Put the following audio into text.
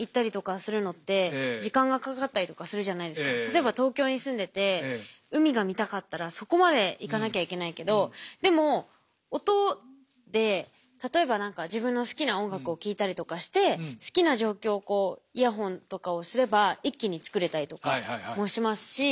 例えば東京に住んでて海が見たかったらそこまで行かなきゃいけないけどでも音で例えば何か自分の好きな音楽を聴いたりとかして好きな状況をイヤホンとかをすれば一気に作れたりとかもしますし。